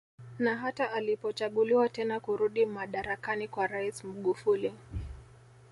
Na hata alipochaguliwa tena kurudi madarakani kwa rais Mgufuli